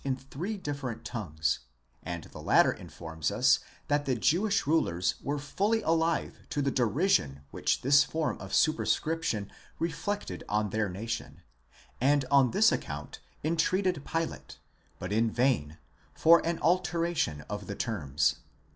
in three different tongues, and the latter informs us that the Jewish rulers were fully alive to the derision which this form of superscription reflected on their nation, and on this account entreated Pilate, but in vain, for an altera tion of the terms (v.